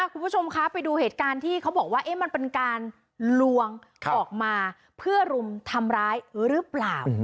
คุณผู้ชมคะไปดูเหตุการณ์ที่เขาบอกว่ามันเป็นการลวงออกมาเพื่อรุมทำร้ายหรือเปล่า